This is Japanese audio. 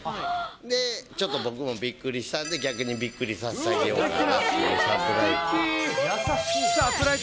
で、ちょっと僕もびっくりしたんで、逆にびっくりさせてあげようかなというサプライズ。